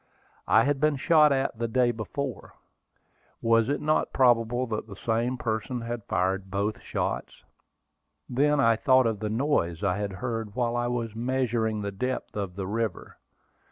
I had been shot at the day before. Was it not probable that the same person had fired both shots? Then I thought of the noise I had heard while I was measuring the depth of the river.